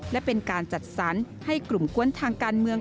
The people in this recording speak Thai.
และเป็นการจัดสรรให้กลุ่มกวนทางการเมือง